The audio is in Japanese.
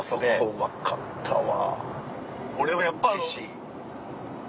うまかったな。